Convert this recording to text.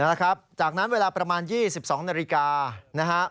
นั่นแหละครับจากนั้นเวลาประมาณ๒๒นาฬิกานะครับ